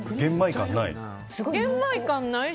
玄米感ない？